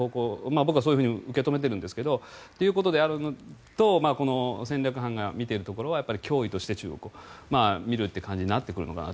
僕はそう受け止めているんですがということであるのとこの戦略班が見ているところは中国を脅威として見るという感じになってくるのかなと。